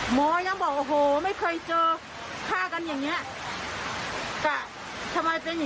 หมอยังบอกโอ้โหไม่เคยเจอฆ่ากันอย่างนี้กะทำไมเป็นอย่าง